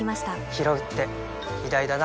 ひろうって偉大だな